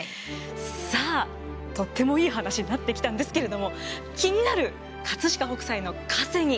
さあとってもいい話になってきたんですけれども気になる飾北斎の稼ぎ。